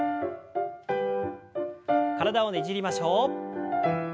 体をねじりましょう。